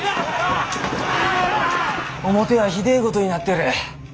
表はひでぇことになってる。